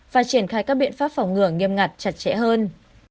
và triển khai các biện pháp phòng ngừa nghiêm ngặt chặt chẽ hơn